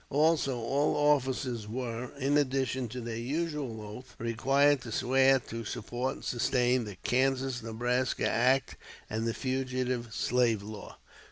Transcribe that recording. Also, all officers were, in addition to their usual oath, required to swear to support and sustain the Kansas Nebraska Act and the Fugitive Slave Law.